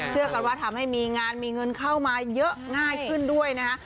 เชื่อกันว่าทำให้มีงานมีเงินเข้ามาเยอะง่ายขึ้นด้วยนะฮะ